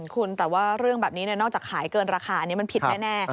คุณแต่ว่าเรื่องแบบนี้นอกจากขายเกินราคาอันนี้มันผิดแน่